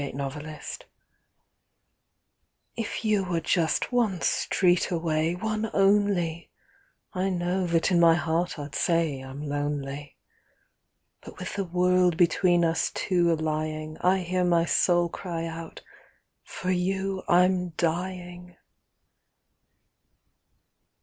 A FRAGMENT If you were just one street away, One only! I know that in my heart I'd say I'm lonely. But with the world between us two A lying, I hear my soul cry out, "For you I'm dying!"